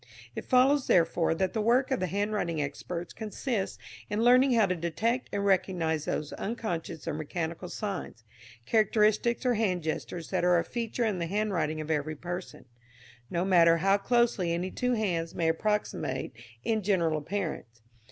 It follows, therefore, that the work of the handwriting experts consists in learning how to detect and recognize those unconscious or mechanical signs, characteristics or hand gestures that are a feature in the handwriting of every person, no matter how closely any two hands may approximate in general appearance.